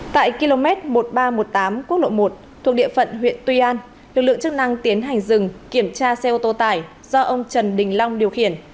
tại km một nghìn ba trăm một mươi tám quốc lộ một thuộc địa phận huyện tuy an lực lượng chức năng tiến hành dừng kiểm tra xe ô tô tải do ông trần đình long điều khiển